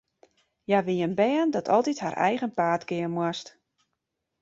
Hja wie in bern dat altyd har eigen paad gean moast.